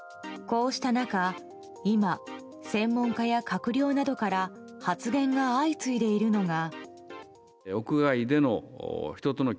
こうした中、今専門家や閣僚などから発言が相次いでいるのが。